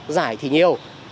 giải thì nhiều